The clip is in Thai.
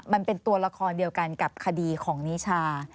มันเป็นตัวละครเดียวกันกับคดีของนิชา